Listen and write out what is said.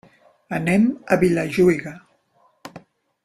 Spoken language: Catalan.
Anem a Vilajuïga.